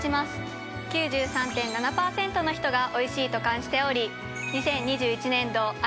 ９３．７％の人がおいしいと感じており２０２１年度